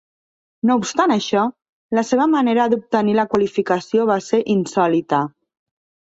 No obstant això, la seva manera d'obtenir la qualificació va ser insòlita.